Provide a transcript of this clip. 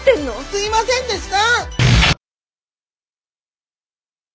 すいませんでした。